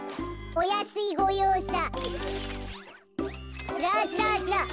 おやすいごようさ。